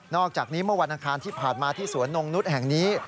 อกจากนี้เมื่อวันอังคารที่ผ่านมาที่สวนนงนุษย์แห่งนี้